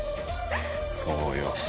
「そうよ」